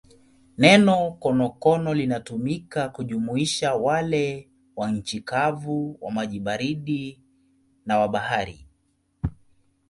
Neno konokono linatumika kujumuisha wale wa nchi kavu, wa maji baridi na wa bahari.